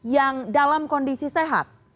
yang dalam kondisi sehat